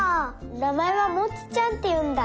「なまえはモチちゃんっていうんだね」。